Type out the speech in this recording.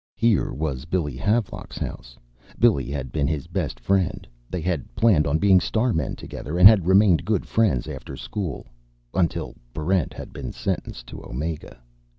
Here was Billy Havelock's house. Billy had been his best friend. They had planned on being starmen together, and had remained good friends after school until Barrent had been sentenced to Omega.